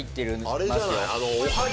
あれじゃない？